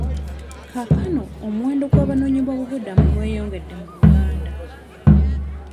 Kaakano, omuwendo gw'abanoonyiboobubudamu gweyongedde mu Uganda.